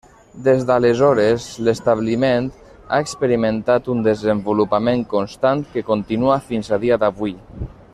Des d'aleshores, l'establiment ha experimentat un desenvolupament constant que continua fins al dia d'avui.